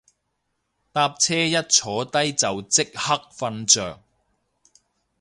搭車一坐低就即刻瞓着